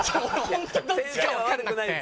先生は悪くないんです。